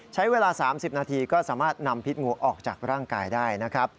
ใช้เวลา๓๐นาทีก็สามารถนำพิษงูออกจากร่างกายได้นะครับ